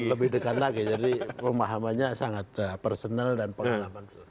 lebih dekat lagi jadi pemahamannya sangat personal dan pengalaman